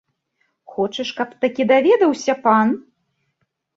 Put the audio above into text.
Хочаш, каб такі даведаўся пан?!